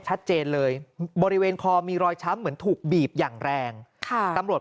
ชัดเจนเลยบริเวณคอมีรอยช้ำเหมือนถูกบีบอย่างแรงค่ะตำรวจ